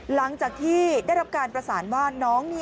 หลังจากที่ได้รับการประสานว่าน้อง